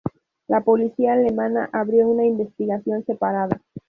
La policía alemana abrió una investigación separada.